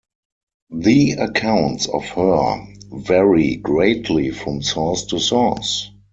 The accounts of her vary greatly from source to source.